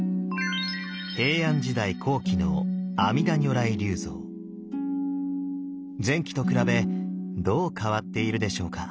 平安時代後期の前期と比べどう変わっているでしょうか？